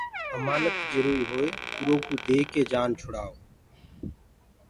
امآنت جروئي هوئي اروئو ديڪي جآن ڇڙائو